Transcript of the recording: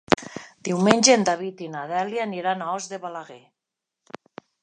Diumenge en David i na Dèlia aniran a Os de Balaguer.